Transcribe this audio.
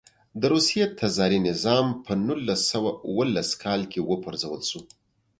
د روسیې تزاري نظام په نولس سوه اوولس کال کې و پرځول شو.